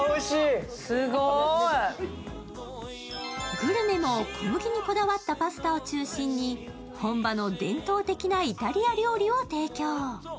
グルメも小麦にこだわったパスタを中心に本場の伝統的なイタリア料理を提供。